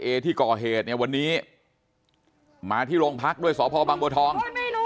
เอที่ก่อเหตุเนี่ยวันนี้มาที่โรงพักด้วยสพบังบัวทอง